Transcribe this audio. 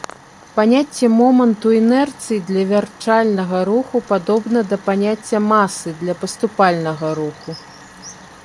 Паняцце моманту інерцыі для вярчальнага руху падобна да паняцця масы для паступальнага руху.